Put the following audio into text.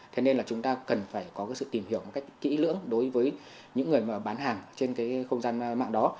thế nên là chúng ta cần phải có cái sự tìm hiểu một cách kỹ lưỡng đối với những người mà bán hàng trên cái không gian mạng đó